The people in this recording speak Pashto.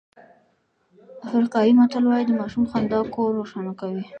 افریقایي متل وایي د ماشوم خندا کور روښانه کوي.